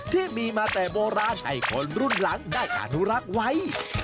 ที่มีมาแต่โบราณให้คนรุ่นหลังได้อนุรักษ์ไว้